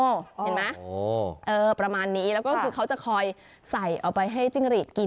เห็นไหมประมาณนี้แล้วก็คือเขาจะคอยใส่เอาไปให้จิ้งหรีดกิน